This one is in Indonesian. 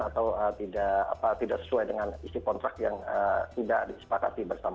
atau tidak sesuai dengan isi kontrak yang tidak disepakati bersama